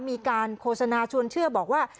มีการโฆษณาชวนเชื่อบอกว่า